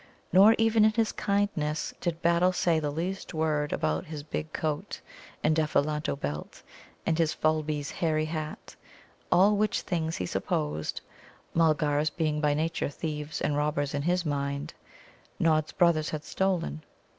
Nor even in his kindness did Battle say the least word about his big coat and Ephelanto belt and his Fulby's hairy hat all which things he supposed (Mulgars being by nature thieves and robbers in his mind) Nod's brothers had stolen.